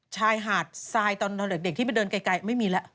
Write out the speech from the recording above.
ชายหาดทรายตอนเด็กที่ไปเดินไกลไม่มีแล้ว